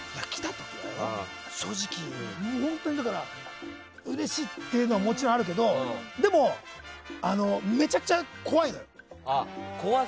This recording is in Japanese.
正直、本当にうれしいっていうのはもちろんあるけどでも、めちゃくちゃ怖いのよ。